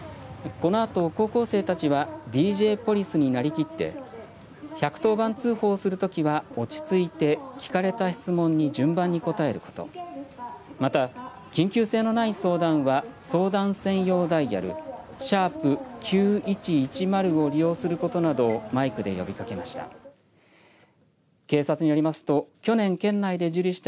このあと、高校生たちはＤＪポリスになりきって１１０番通報するときは落ち着いて聞かれた質問に順番に答えることまた、緊急性のない相談は相談専用ダイヤル＃９１１０を利用することなどをマイクで呼びかけました。